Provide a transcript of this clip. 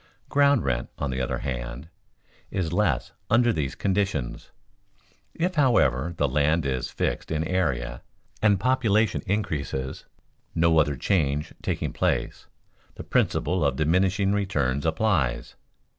Ground rent, on the other hand, is less under these conditions. If, however, the land is fixed in area, and population increases, no other change taking place, the principle of diminishing returns applies.